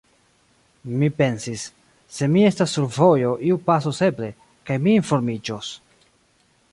Mi pensis: «Se mi estas sur vojo, iu pasos eble, kaj mi informiĝos. »